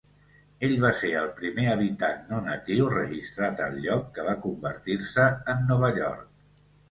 Ell va ser el primer habitant no-natiu registrat al lloc que va convertir-se en Nova York.